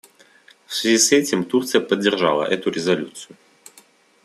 В связи с этим Турция поддержала эту резолюцию.